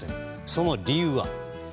その理由は？